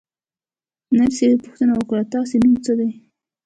نرسې پوښتنه وکړه: ستاسې نوم څه دی؟